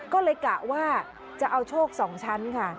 ก็เลยกะว่าจะเอาโชค๒ชั้นค่ะ